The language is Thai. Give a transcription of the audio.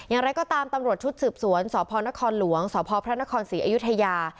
อย่างไรก็ตามตำรวจชุดสืบสวนสพนครหลวงสพพระนครศรีอยุธยา